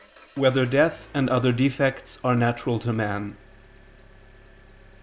6] Whether Death and Other Defects Are Natural to Man?